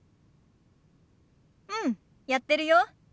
うんやってるよ。